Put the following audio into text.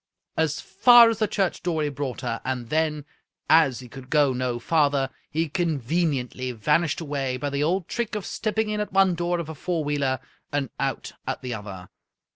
As far as the church door he brought her, and then, as he could go no farther, he conveniently vanished away by the old trick of stepping in at one door of a four wheeler and out at the other.